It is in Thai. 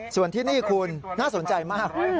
ส่วนที่นี่คุณน่าสนใจมาก